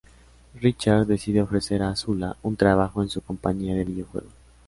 Richard decide ofrecer a Zula un trabajo en su compañía de videojuegos.